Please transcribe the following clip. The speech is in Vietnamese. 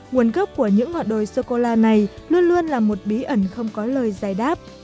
nguồn gốc của những ngọn đồi sô cô la này luôn luôn là một bí ẩn không có lời giải đáp